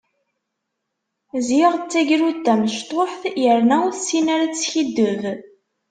Ziɣ d tagrudt tamecṭuḥt, yerna ur tessin ara ad teskiddeb.